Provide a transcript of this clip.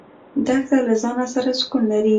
دښته له ځانه سره سکون لري.